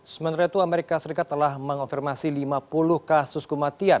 sementara itu amerika serikat telah mengonfirmasi lima puluh kasus kematian